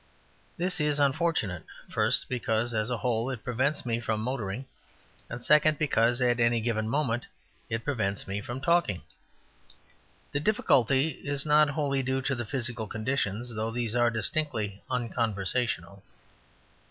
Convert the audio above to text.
This is fortunate; first, because, as a whole, it prevents me from motoring; and second because, at any given moment, it prevents me from talking. The difficulty is not wholly due to the physical conditions, though these are distinctly unconversational.